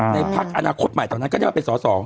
พักอนาคตใหม่ตอนนั้นก็ได้มาเป็นสอสอ